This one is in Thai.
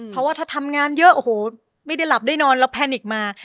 เพราะว่าถ้าทำงานเยอะโอ้โหไม่ได้หลับได้นอนแล้วแพนิกมา